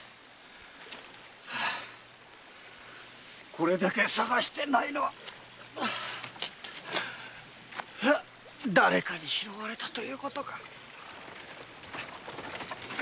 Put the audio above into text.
これだけ捜して無いのは誰かに拾われたということか。